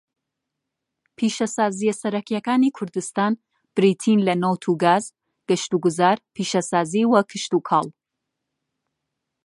پیشەسازییە سەرەکییەکانی کوردستان بریتین لە نەوت و گاز، گەشتوگوزار، پیشەسازی، و کشتوکاڵ.